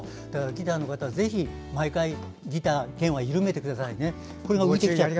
ギター弾く方は毎回ギター、弦は緩めてくださいね。